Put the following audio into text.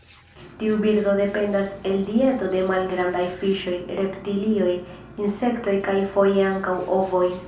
Tiu birdo dependas el dieto de malgrandaj fiŝoj, reptilioj, insektoj kaj foje ankaŭ ovoj.